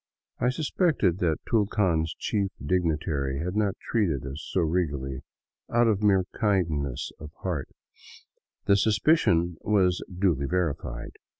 I suspected that Tulcan's chief dignitary had not treated us so regally out of mere kindness of heart; and the suspicion was duly verified.